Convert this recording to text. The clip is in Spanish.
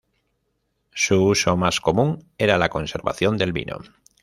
Su uso más común era la conservación del vino.